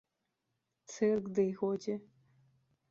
Цырк ды й годзе.